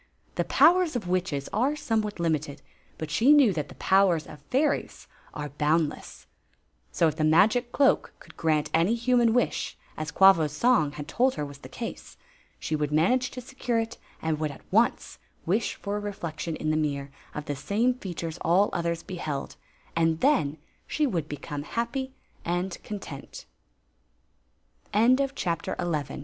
The powers of witches are somewhat limited; but she knew that the powers of fairies are boundless. S.i if t}ie magic cloak could grant any human wi^ as Quavos song had told her was the case, she would manage to secure it and would at once wish for a reflection in the mirror of the same features all others beheld — and then she would